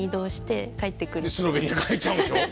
スロベニア帰っちゃうんでしょ？